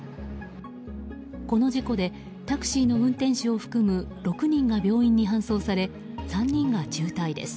この事故でタクシーの運転手を含む６人が病院に搬送され３人が重体です。